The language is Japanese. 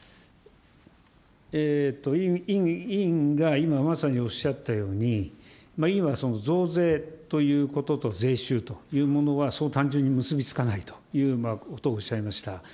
委員が今、まさにおっしゃったように、委員は増税ということと税収というものはそう単純に結び付かないということをおっしゃいました。